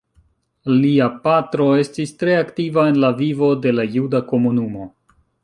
Lia patro estis tre aktiva en la vivo de la juda komunumo.